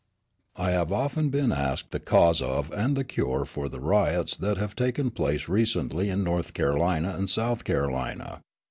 I have often been asked the cause of and the cure for the riots that have taken place recently in North Carolina and South Carolina.